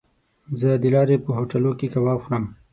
زه د لارې په هوټلو کې کباب خورم.